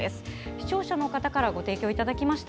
視聴者の方からご提供いただきました。